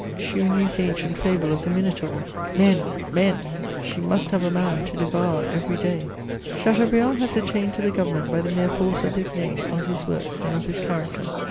She renews the ancient c 2 20 MEMOIRS OF fable of the Minotaur. Men ! men ! She must have a man to devour every day. Chateaubriand has attained to the government by the mere force of his name, of his works, and of his character.